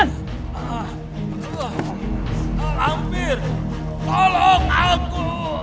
lampir tolong aku